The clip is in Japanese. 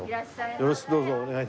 よろしくどうぞお願い致します。